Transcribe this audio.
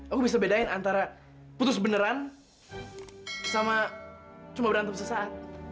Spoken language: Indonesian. aku bisa bedain antara putus beneran sama cuma berantem sesaat